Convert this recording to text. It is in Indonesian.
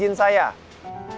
terima kasih izin saya